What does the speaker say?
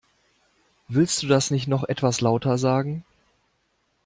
Willst du das nicht noch etwas lauter sagen?